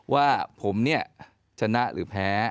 ว่าผมเนี่ยชนะหรือแพ้